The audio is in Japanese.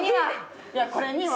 いやこれには。